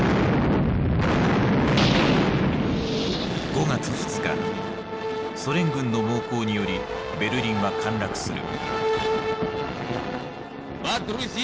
５月２日ソ連軍の猛攻によりベルリンは陥落する。